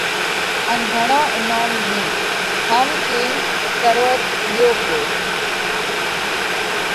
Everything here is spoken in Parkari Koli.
ان گھڻو انوم ۮِيه۔ هم ڪينَ تروٽ ڳيو پرو۔